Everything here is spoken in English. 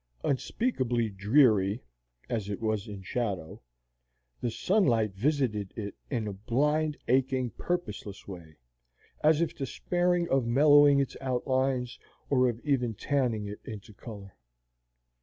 Unspeakably dreary as it was in shadow, the sunlight visited it in a blind, aching, purposeless way, as if despairing of mellowing its outlines or of even tanning it into color.